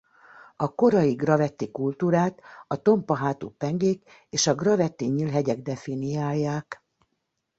A korai gravetti kultúrát a tompa hátú pengék és a gravetti nyílhegyek definiálják.